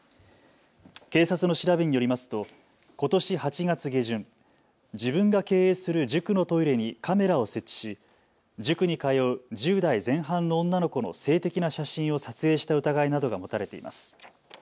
警察の調べによりますとことし８月下旬、自分が経営する塾のトイレにカメラを設置し塾に通う１０代前半の女の子の性的な写真を撮影した疑いなどが持たれています。